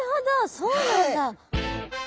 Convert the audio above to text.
そうなんだ。